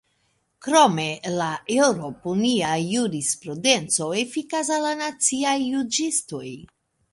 Krome, la eŭropunia jurisprudenco efikas al la naciaj juĝistoj.